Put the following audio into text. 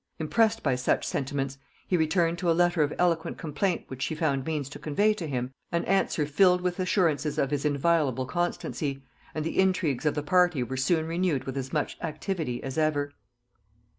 Impressed by such sentiments, he returned to a letter of eloquent complaint which she found means to convey to him, an answer filled with assurances of his inviolable constancy; and the intrigues of the party were soon renewed with as much activity as ever.